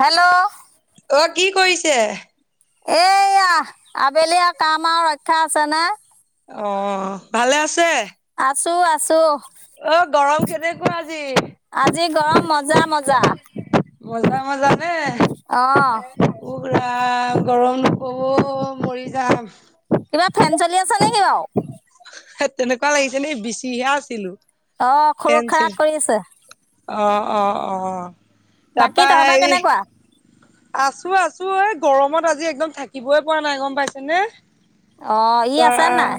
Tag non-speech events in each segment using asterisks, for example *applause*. Hello. অ কি কৰিছে? এয়া, আবেলি আৰ কাম আৰু ৰক্ষা আছে নে। অ', ভালে আছে? আছো, আছো। অ', গৰম কেনেকুৱা? আজি আজি গৰম মজা, মজা। মজা, মজা। অ'। পুৰা গৰম নকব, মৰি যাম। কিবা ফেন চলি আছে নেকি বাৰু তেনেকুৱা লাগিছে নি বিচিহে আছিলো। অ', ফেন চেন খৰুক-খাৰাক কৰি আছে। অ', অ', অ'। বাকী তাপা তহঁতৰ হেৰি কেনেকুৱা আছো, আছো। এ, গৰমত আজি একদম থাকিবই পৰা নাই গম পাইছে নে? অঁ ই পোৱা আছে নাই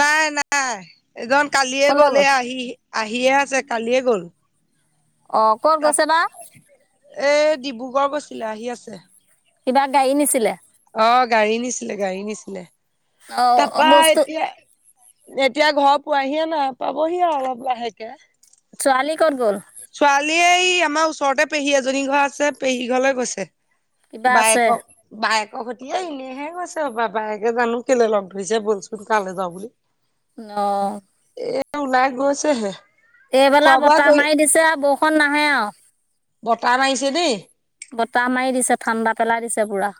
নাই। নাই। এজন কালিয়ে গ'ল এ, আহি আহিয়ে আছে কালিয়ে গ'ল। অ' ক'ত তাপ গৈছে বা? এ, ডিব্ৰুগড় গৈছিলে, আহি আছে। কিবা গাডী নিছিলে? অ', গাড়ী নিছিলে, গাড়ী নিছিলে। অঁ তাপা বস্তু এতিয়া এতিয়া ঘৰ পোৱাহিয়ে নাই পাবহি আৰু অলপ লাহেকে। কালি ক'ত গ'ল? ছোৱালীয়ে ই আমাৰ ওচৰতে পেহী এজনী ঘৰ আছে, পেহী ঘৰলৈ গৈছে। কিবা আছে বায়েকক বায়েক। ফকতীয়া এনেইহে গৈছে হপায় বায়েকে জানো কেলে লগ ধৰিছে বলচোন তালে যাওঁ বুলি। অ'। এ, ওলাই গৈছেহে। এইবেলা খোৱা বোৱা বতাহ কৰি মাৰি দিছে আৰু বৰষুণ নাহে আৰু। বতা মাৰিছে দেই। বতাহ মাৰি দিছে ঠাণ্ডা পেলাই দিছে পুৰা।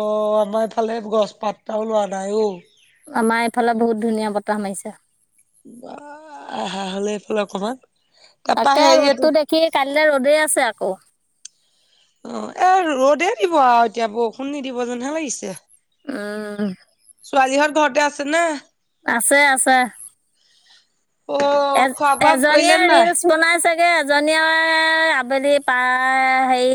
অ', আমাৰ ইফালে গছ পাতটাও লৰা নাই অ'। আমাৰ এইফালে বহুত ধুনীয়া বতাহ মাৰিছে। আ-আহা হ'লে এইফাল অকমান। তাৰপা তাকে হেৰি এইটো ৰ'দটো দেখি কাইলৈ ৰ'দেই আছে আকৌ। অ', এ, ৰ'দে দিব আৰু এতিয়া বৰষুণ নিদিব যেনহে লাগিছে। অ'। ছোৱালীহঁত ঘৰতে আছে নে? আছে, আছে। অ এ, খোৱা বোৱা কৰিলে এজনীয়ে নাই? ৰিলচ বনাইছে। এ, এজনীয়ে আবেলিপাই হেৰি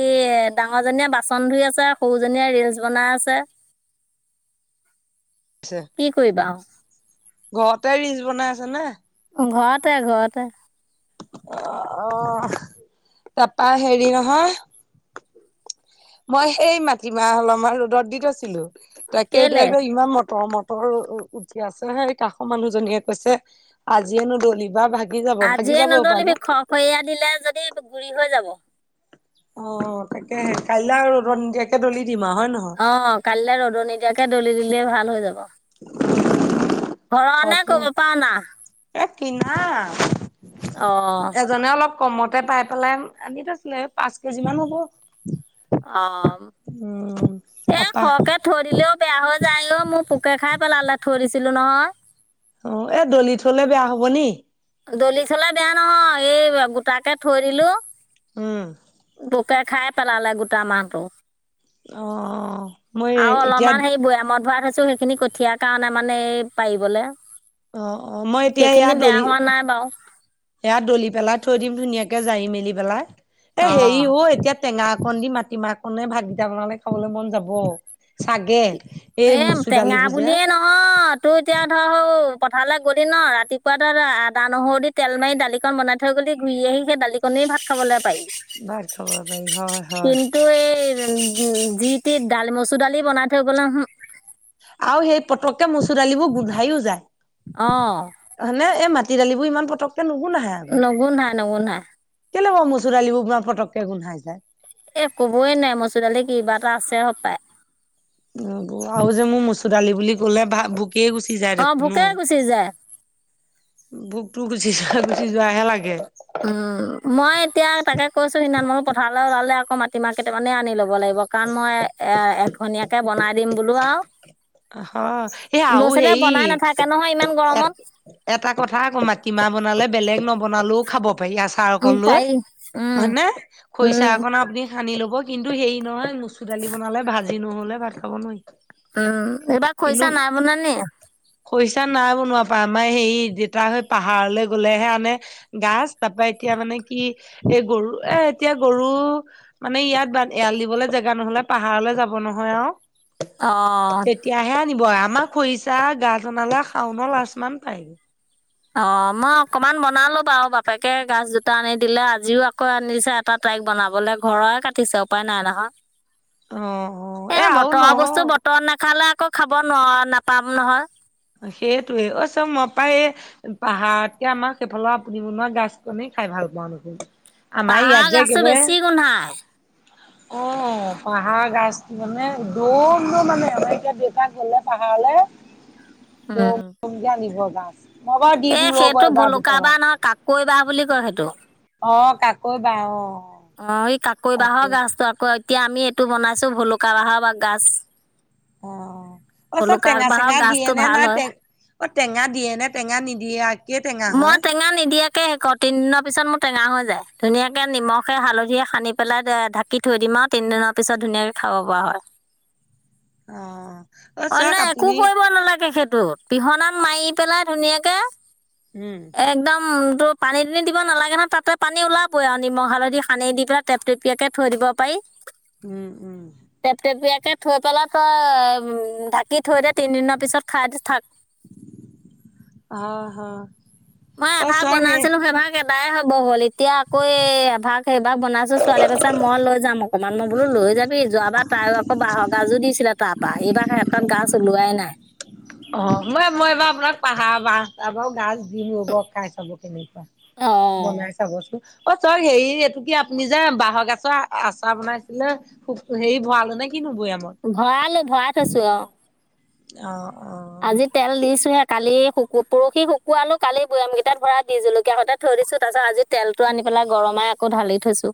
ডাঙৰজনীয়ে বাচন ধুই আছে সৰুজনীয়ে ৰিলচ বনাই আছে। *inaudible* কি কৰিবা আও। ঘৰতে ৰিলচ বনাই আছে নে? ঘৰতে-ঘৰতে। অহ, তাৰাপা হেৰি নহয়। মই সেই মাটিমাহ অলমান ৰ'দত দি থৈছিলো। তাকে কেলে এতিয়া ইমান মটৰ ম উঠি আছে হেই কাষৰ মানুহজনীয়ে কৈছে আজিয়ে নদলিবা ভাগি যাব ভাগি আজিয়ে যাব পানো। নদলিবি খৰ খৰীয়া দিলে যদি গুৰি হৈ যাব। অ', তাকে কাইলৈ আৰু ৰদত নিদিয়াকে দলি দিম আৰু হয় নহয়? অ', কালিলে ৰদত নিদিয়াকে দলি দিলে ভাল হৈ যাব। ঘৰৰ নে খক ন, ক'ৰবাৰ পৰা অনা ই কিনা। অ'। এজনে অলপ কমতে পাই পেলাই আনি থৈছিলে পাঁচ কেজি মান হ'ব। অ', উম এ তাপা সৰকে থৈ দিলেও বেয়া হৈ যায় অ, মোৰ পোকে খাই পেলালে থৈদিছিলোঁ নহয়। অ', এ দলি থলে বেয়া হব নি?। দলি থলে বেয়া নহয়, এই গোটাকে থৈ দিলো। উম পোকে খাই পেলালে গোটা মাহটো। অ'। মই আৰু এতিয়া অলপমান সেই বৈয়ামত ভৰাই থৈছো সেইখিনি কঠিয়াৰ কাৰণে মানে এ পাৰিবলে। অ, অ, মই এতিয়া সেইখিনি ইয়াত বেয়া দলি হোৱা নাই বাৰু এয়া দলি পেলাই থৈ দিম ধুনীয়াকে জাৰি মেলি পেলাই, এ হেৰি অঁ ও এতিয়া টেঙা অকণ দি মাটিমাহ অকণনে ভাত কিটা বনালে খাবলৈ মন যাব চাগে। এই এ মচুৰ টেঙা দালিবোৰ যে বুলিয়ে নহয়, তোৰ এতিয়া ধৰ হ পথাৰলৈ গলি ন, ৰাতিপুৱা তাত আদা, নহৰু দি তেল মাৰি দালিকন বনাই থৈ গলি, ঘূৰি আহি সেই দালিকনি ভাত খাবলৈ পা ভাত খাব পাৰি হয়-হয়। যি তি দাল, মচুৰদালি বনাই থৈ গ'লে ওহোঁ। আৰু সেই পতককে মচুৰ দালিবোৰ গোন্ধাইও অ', যায়, হঁনে এই মা মাটি দালিবোৰ ইমান পতককে নুগোন্ধাই আকৌ, নুগুন্ধাই নুগুন্ধাই কেলেই বাৰু ম চোৰদালিবোৰ ইমান পটককে গোন্ধায় যায়। এ কবই নাই মচুৰ দালি কিবা এটা আছে সপায়। আৰু যে মোৰ মচু দালি বুলি ক'লে ভাত ভু এ গুচি যাই অ', দেখোন ঔ। ভোকে গুচি যায় ভোকটো গুচি যোৱা, গুচি যোৱাহে লাগে। উম, মই এতিয়া তাকে কৈছো সিদিনাখন বুলো পথাৰলৈ ওলালে আ আকৌ মাটিমাহ কেইটামানে আনি ল'ব লাগিব, কাৰণ মই এ এখনীয়াকে বনাই দিম বোলো আৰু হয়, এ ল'ৰা আও ছোৱালীয়ে হেই বনাই নাথাকে নহয় ইমান গৰমত এটা কথা আকৌ মাটিমাহ বনালে বেলেগ নবনালেও খাব পাৰি আচাৰ উম, অকণ লৈ, পাৰি উম, হয়নে? খৰিচাহ উম, অকণ আপুনি সানি ল'ব কিন্তু হেৰি নহয়, মচু দালি বনালে ভাজি নহ'লে ভাত খাব নোৱাৰি। উম, এইবাৰ কিন্তু খৰিছা নাই বনোৱা নি? খৰিচা নাই বনোৱা পাই, আমাৰ হেৰি, দেউতা হৈ পাহাৰলৈ গলেহে আনে, গাছ তাৰ পা এতিয়া মানে কি, এ গৰু এ এতিয়া গৰু, মানে ইয়াত এৰাল দিবলৈ জেগা নহ'লে পাহাৰলৈ যাব নহয় এওঁ, অ', তেতিয়াহে আনিব আমাৰ খৰিছা গাছ অনালে শাওনৰ লাস্ত মান পায়। অ', মই অকণমান বনালো বাৰু, বাপেকে গাছ দুটা আনি দিলে, আজিও আকৌ আনিছে এটা তে তাইক বনাবলে ঘৰৰে কাটিছে উপায় নাই নহয়। অ অ এ আৰু বতৰৰ বস্তু নহয় বতৰত নাখালে আ আকৌ খাব ন নাপাম নহয়। সেইটোৱে, অই চ মই পাই এ পাহাৰতকে আমাৰ সেইফালেৰ আপুনি বনোৱা গছ কনে খাই ভাল পাওঁ দেখোন, আমাৰ ইয়াত পাহাৰ যে গছটো একেবাৰে বেছি গোন্ধায় অ', পাহাৰৰ গাছ মানে দৌম-দৌম আনে। আমাৰ এতিয়া দেউতা গলে পাহা লে উম। দম-দম যে আনিব গাছ। এ সেইটো ভলুকা বাহ নহয় কাকৈ বাহ বুলি কয় সেইটো। অ' কাকৈ বাঁহ অ। অ সেই কাকৈ বাঁহৰ তাকে গাছতো আকৌ এতিয়া আমি এইটো বনাইছোঁ ভলুকা বাঁহৰ বা গাছ। অ', অ, চব টেঙা-চেঙা দিয়ে গাজটো নে ভাল নাই হয় অ, টেঙা দিয়ে নে টেঙা নিদিয়ে কেই টেঙা মই হয় টেঙা নিদিয়াকে হে কৰো, তিনিদিনৰ পিছত মোৰ টেঙা হৈ যায়। ধুনীয়াকে নিমখে, হালধিয়ে সানি পেলাই ঢাকি থৈ দিম আৰু তিনিদিনৰ পিছত ধুনীয়াকে খাব পৰা হয়। *inaudible* অ'। অ', অন্য চাওক একো আপুনি কৰিব নালাগে সেইটোত, পিহনাত মাৰি পেলাই ধুনীয়াকে। উম, একদম ত পানী নি দিব নালাগে নহয় তাতে পানী ওলাবই আৰু নিমখ হালধি সানি দি পেলাই টেপ টপিয়াকে থৈ দিব পাৰি। উম উম। েই *unintelligible* থৈ পেলা তই উম কি থৈ দে, তিনিদিনৰ পিছত খাই থাক। হয়, হয়। মই অ', এভাগ চাওক এই বনাইছিলো সেইভাগ এটাই হব হ'ল, এতিয়া আকৌ এ এভাগ সেই বা বনাইছো ছোৱালী কৈছে মই লৈ যাম আও। অকণমান মই বোলো লৈ যাবি, যোৱাবাৰ তাই আকৌ বাঁহৰ গাজো দিছিলে তাৰপা, এইবাৰ হেতত গাজছ ওলোৱাই নাই। অ' মই, ‌ মই এইবাৰ আপোনাক পাহাৰ বা তাৰ গা দিম ৰ'ব খাই চাব কেনেকুৱা, অঁ বনাই চাবচোন অ' চ হেৰি এইটো কি আপুনি যে বহৰ গছৰ আচাৰ বনাইছিলে, খুব হেৰি ভৰালো নে কিনো বৈয়ামত ভৰালো, ভৰা থৈছো আও অ'। অ আজি তেল দিছোহে কালি শুকু পৰহি শুকু আলো কালি বামকেইটা ভৰা দি জলকীয়া সতে থৈ দিছো, তাৰপাছ আজি তেলটো আ পেল গৰম মই আকৌ ঢালি থৈছো।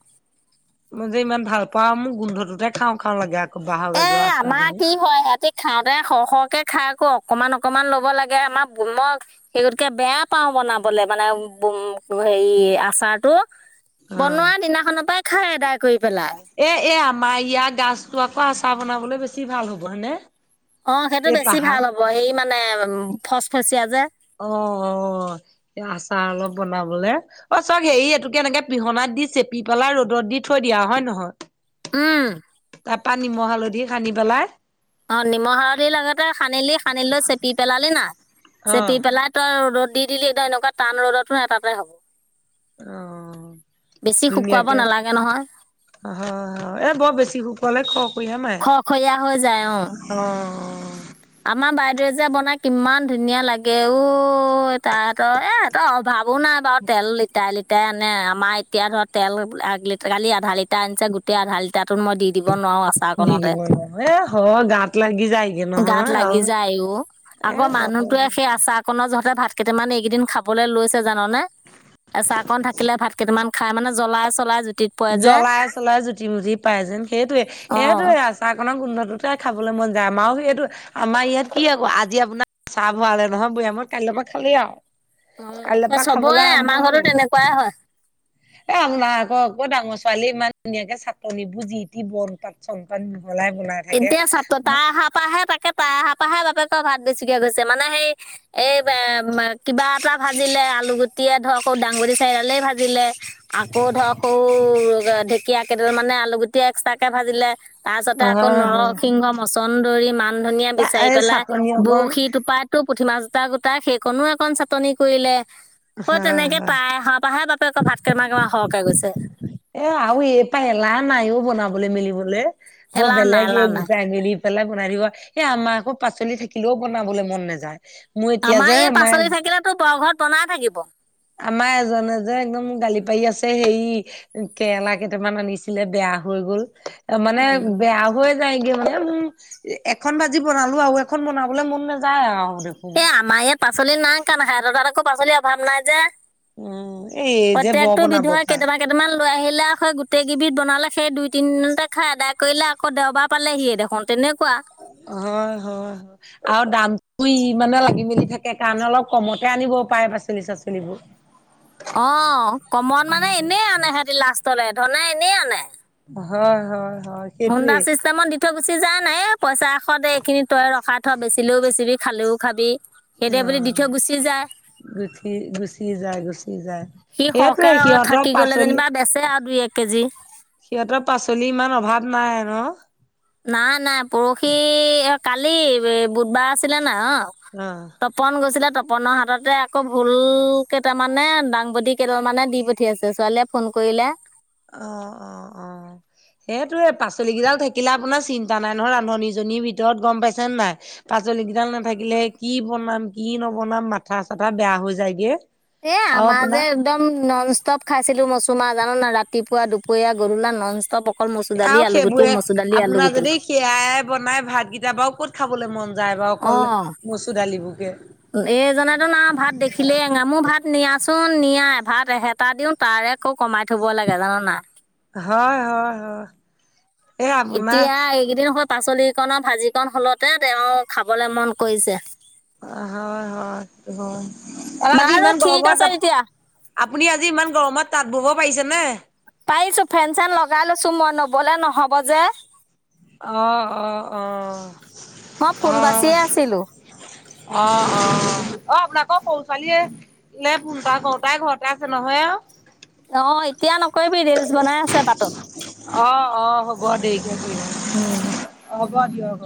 মই যে ইমান ভাল পাওঁ, মোৰ গোন্ধটোতে খাওঁ খাওঁ লাগে আকৌ বাঁহৰ এ গাজৰ আমাৰ আচাৰকণো কি হয় সিহঁতি খাওঁতে সৰ সৰহকে খাই আকৌ অকনমান অকমান লব লাগে, আমাৰ মই সেই গতকে বেয়া পাও বনাবলে মানে উম হেৰি আচাৰটো অ বনোৱা দিনাখনতেই খাই আদায় কৰি পেলাই। এ এ আমাৰ ইয়াৰ গছটো আকৌ আচাৰ বনাবলৈ বেছি ভাল হ'ব, হয় নে। অ' সেইটো বেছি ভাল হ'ব, সেই মানে ফচ ফচীয়াা যে। অ' অ' আচাৰ অলপ বনাবলে, অ' চক‌ হেৰি এইটোকে এনেকে পিহনাই দি চেপি পেলা ৰ'দত দি থৈ দিয়া, হয় নহয়। উম। তাৰ পৰাা নিমখ হালধি হানি পেলাই অ' নিমখ সালধিৰ লগতে খানিলি, খানিলৈ চেপি পেলালি না অ চেপি পেলাই তই ৰ'দ দি দিলি, এতিয়া এনেকুৱা টান ৰ'দতো এটাতে হ'ব। অ' বেছি দুুনীয়া শুকুৱাব কে নালাগে নহয় হয় হয়, এ উ' বেছি শুকোৱালে খ খৈয়া হৈ যায়, অ'। আমাৰ বাইদেউৱে যে বনাই, কিমান ধুনীয়া লাগে ও', তাহতৰ এহতৰ অভাৱ খাবো নাই বাৰু তেল লিটাৰে লিটাৰ আনে, আমাৰ এতিয়া ধৰ তেল এক লিট কালি আধা লিটাৰ আনিছে গোট আধ লিাৰটো মই দি দিব নোৱাৰো দি আচাৰকণতে দিব নহয়, এ হয় গাত লাগি যায়গৈ ন। গাত লাগি যায় ও, আকৌ মানুহতোৱে সেই আচাৰ নৰ যহতে ভাত কেইটামান এইকেইদিন খাবলৈ লৈছে জানানে, এচাকন থাকিলে ভাত কেইটামান খাই মানে জ্বলাই চলাই জুতিত পৰে যে জ্বলাই চলাই জুতি মুঠি পাই যেন, সেইটয়ে অ সেইটয়ে আচাৰ কন গোন্ধটোত খাবলৈ মন যায়, আমাৰো সেইটো, আমাৰ ইয়াত কি আকৌ আজি আপোনাৰ চাহ ভৰালে নহয় বৈয়ামত, কাইলে পা' খাবলে মন এিয় *unintelligible* অ' চবয়ে, আমাৰ ঘৰত ও' গ'ল। তেনেকুৱাই হয়। এ' আপোনাৰ আকৌ, আকৌ ডাঙৰ ছোৱালী ইমান ধুনীয়াকে চাটনি বু জিটি বন পাত চন পাত দি এতিয়া চ তাৰ অহাৰ পৰাহে তাকে তাৰ অহাৰ পৰাাহে বাপেকৰ ভাত বেছিকে গৈছে, মানে সেই এই কিবা এটা ভাজিলে আলুগুটিয়ে ধৰক দাংবুটি চাইডালেই ভাজিলে আকৌ ধৰক সৰু ঢেকীয়া কেইডাল মানে আলু গুটি এক্সট্ৰাকে ভাজিলে তাৰপিছতে আকৌ হয় হয় নৰসিংহ মচন্দৰি মান ধনিয় বিচাৰি এই পেলাই চাটনি অকণ বৰশী টোপা টো পুঠি মাছ জোতা গোটাই, সেইকণো অকণ চাটনি কৰিলে। হা অ' তেনেকে হা। তায় আহা পৰা হে বাপেক ভাত কেমাৰমাৰ সৰহকে গৈছে। এ আৰু এইপা এলাহ নাইও বনাবলে মেলিবলে ব এলাহ নাই বেলেগ এলাহ এই নাই গোটাই মেলি পেলাই বনাই দিব এই আমাৰ আকৌ পাচলি থাকিলেও বনাবলৈ মন নাযায় মোৰ এতিয়া আমাৰ যে এই পাচলি থাকিল তো বৰ ঘৰত বনাই থাকিব আমাৰ এজ এ যে একদম গালি পাৰি আছে সেই কেৰেলা কেইটামান আনিছিলে বেয়া হৈ গল এ মানে উম বেয়া হৈ যায়গে মানে এখন ভাজি বনালো আৰু এখন বনাবলে মন নাযায় আৰু দেখোন। এ আমাৰ ইয়াত পাচলি নাই কানেহে সেঁত তাত আকৌ পাচলিৰ অভাৱ নাই যে উম এই যে বৰ প্ৰত্যকটো বনাব বিধৰে পাই। কেইটামান কেইটামান লৈ আহিলে আকৌ গোটেই কেইবিধ বনালে সেই দুই তিনিদিনতে খাই আদায় কৰিলে আকৌ দেওবাৰ পালেহিয়ে দেখোন তেনেকুৱা হয় হয় হয় আৰু দাম শুই মানে লাগি মেলি থাকে কাৰণ অলপ কমতে আনিব পাৰে পাচলি চাচলিবোৰ অ', কমন মানে এনে আনে সিহতি লাষ্টলে ধনে এনেই আনে হয় হয় হয় হোণ্ডা সেইটোৱে চিষ্টেমট দি থৈ গুছি যায় বুজিচান নাই এ পইচা এশ দে এইখিনি তই ৰখা থ বেচিলেও বেচিবি খালেও খাবি অ সেইদে বুলি দি থৈ গুচি যায় গুঠি গুচি যায় গুচি যায় সি সৰকে সেইটোৱে ৰ সিহঁতৰ থাকি গলে পাচলি যেনিবা বেচে আৰু দুই এক কেজি সিহঁতৰ পাচলি ইমান অভাৱ নাই ন নাই নাই পৰহি কালি বুধবাৰ আছিলে নাই অ' তপন গছিলে তপ তপনৰ হাততে আকৌ ভুল কেইটামানে দাংবদী কেইটামানে দি পঠিয়াইছে ছোৱালীয়ে ফোন কৰি লিলে অ', অ' এইটো এই পাচলিকেইডাল থাকিলে আপোনাৰ চিন্তা নাই নহয় ৰান্ধনীজনীৰ ভিতৰত গম পাইছেনে নাই পাচলি কেইডাল নাথাকিলে কি বনাম কি নবনাম মাথা চাথা বেয়া হৈ যায়গে এ আৰু আমাৰ যে আপোনাৰ একদম নন ষ্টপ খাইছিলো মচুমাহ জানান নাই ৰাতিপুৱা দুপৰীয়া গধুলা নন ষ্টপ অকল মচুৰ দালি আৰু আলুগুটি সেইবোৰে মচুৰ দালি আপোনাৰ আলুগুটি যদি সেয়াই বনাই ভাত কেইটা বাৰু ক'ত খাবলৈ মন যায় যায় বাৰু অকল মচুৰ দালিবোৰকে এজানাটো না ভাত দেখিলেই এঙামো মো ভাত নিয়াচো নিয়া ভাত এহেটা দিওঁ তাৰে আকৌ কমাই থব লাগে জান নাই হয় হয় হয় এ আপোনাৰ এতিয়া এইকেইদিন হয় পাচলিকন ভাজিকন হলতে তেওঁ খাবলে মন কৰিছে অ' হয় হয় হয় আৰু আজি বাৰু ইমান ঠিক গৰম আছে তেতিয়া আপুনি আজি ইমান গৰমত তাঁত বব পাৰিছেনে পাৰিছো ফেন চেন লগাই লৈছো মই নবলে নহ'ব যে অ', অ', অ', মই ফুল অ', বাচিয়ে আছিলো অ', অ', অ', আপোনাকৰ পৰু ছোৱালীয়েে ফোনটা কৰওঁ তাই ঘৰতে আছে নহয় অ', অ', এতিয়া নক কৰিবি ৰীলচ বনাই আছে বাটত অ অ হ'ব দেৰিকে কৰিম উম হব দিয়ক